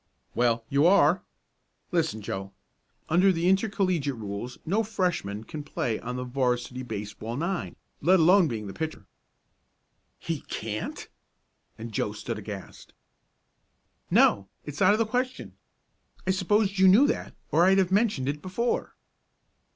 "Well, you are. Listen, Joe. Under the intercollegiate rules no Freshman can play on the 'varsity baseball nine, let alone being the pitcher." "He can't?" and Joe stood aghast. "No. It's out of the question. I supposed you knew that or I'd have mentioned it before."